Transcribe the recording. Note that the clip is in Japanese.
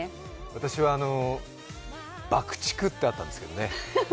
私は爆竹ってあったんですけどね。